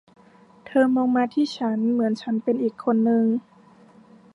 เธอมองมาที่ฉันเหมือนฉันเป็นอีกคนนึง